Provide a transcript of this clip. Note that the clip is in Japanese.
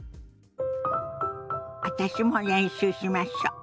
私も練習しましょ。